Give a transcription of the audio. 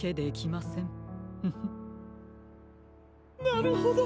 なるほど。